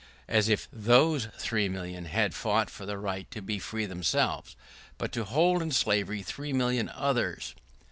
As if those three millions had fought for the right to be free themselves, but to hold in slavery three million others.